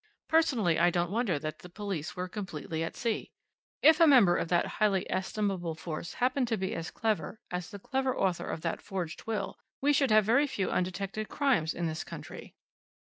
Personally I don't wonder that the police were completely at sea. If a member of that highly estimable force happened to be as clever as the clever author of that forged will, we should have very few undetected crimes in this country."